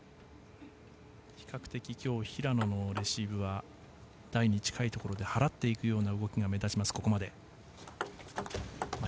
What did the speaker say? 比較的、平野のレシーブは台に近いところで払っていくような動きが目立ちます、ここまで。